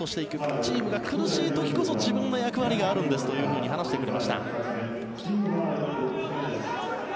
チームが苦しい時こそ自分の役割があるんですと話してくれました。